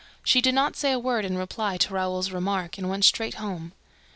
She did not say a word in reply to Raoul's remark and went straight home.